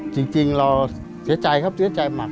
จริงเราเสียใจครับเสียใจมาก